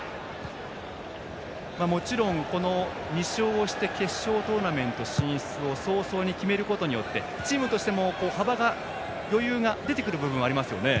もちろん、２勝して決勝トーナメント進出を早々に決めることによってチームとしても幅が余裕が出てくる部分もありますよね。